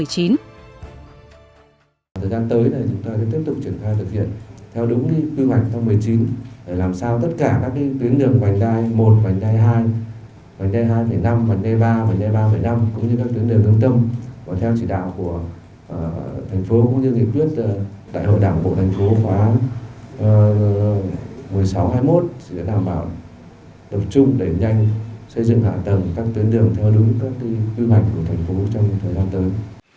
các tuyến đường theo đuổi các quy hoạch của thành phố trong thời gian tới